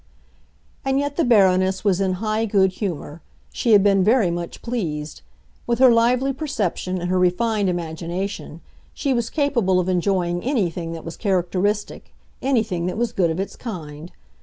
And yet the Baroness was in high good humor; she had been very much pleased. With her lively perception and her refined imagination, she was capable of enjoying anything that was characteristic, anything that was good of its kind.